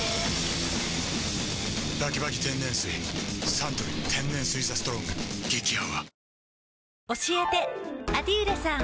サントリー天然水「ＴＨＥＳＴＲＯＮＧ」激泡